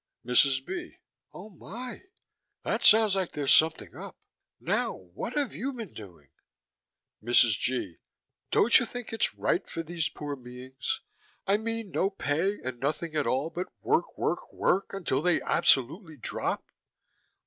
MRS. B.: Oh, my. That sounds like there's something up. Now, what have you been doing? MRS. G.: Don't you think it's right, for these poor beings? I mean, no pay and nothing at all but work, work, work until they absolutely drop?